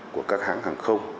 của các hãng hàng không